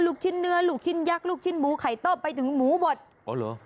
ลูกชิ้นเนื้อลูกชิ้นยักษ์ลูกชิ้นหมูไข่ต้มไปถึงหมูหมดอ๋อเหรอ